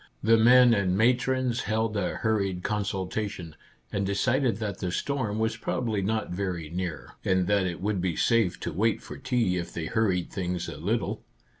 The men and matrons held a hurried consultation, and de cided that the storm was probably not very near, and that it would be safe to wait for tea if they hurried things a little.